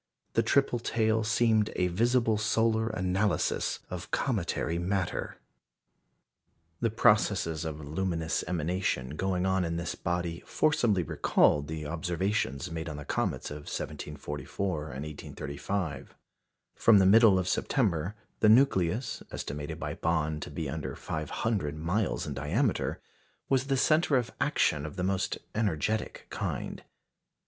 The triple tail seemed a visible solar analysis of cometary matter. The processes of luminous emanation going on in this body forcibly recalled the observations made on the comets of 1744 and 1835. From the middle of September, the nucleus, estimated by Bond to be under five hundred miles in diameter, was the centre of action of the most energetic kind.